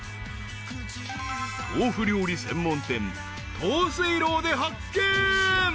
［豆腐料理専門店豆水楼で発見］